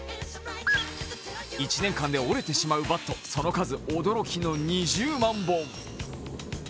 １年間で折れてしまうバット、その数、驚きの２０万本。